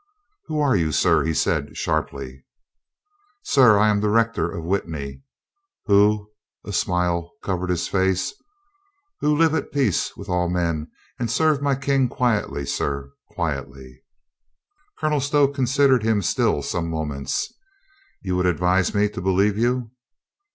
"Who are you, sir?" he said sharply. "Sir, I am the rector of Witney, who " a smile covered his red face, "who live at peace with all men and serve my King quietly, sir, quietly." Colonel Stow considered him still some moments. "You would advise me to believe you?"